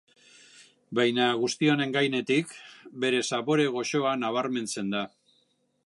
Baina guzti honen gainetik bere zapore goxoa nabarmentzen da.